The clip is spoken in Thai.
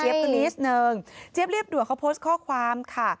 คือนิดนึงเจี๊ยบเรียบด่วนเขาโพสต์ข้อความค่ะ